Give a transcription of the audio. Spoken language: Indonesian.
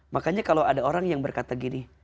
makanya kalau ada orang yang berkata gini